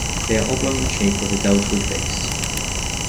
They are oblong in shape with a deltoid base.